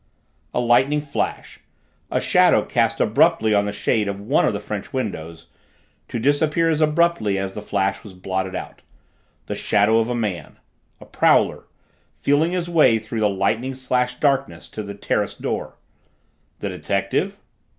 A lightning flash a shadow cast abruptly on the shade of one of the French windows, to disappear as abruptly as the flash was blotted out the shadow of a man a prowler feeling his way through the lightning slashed darkness to the terrace door. The detective?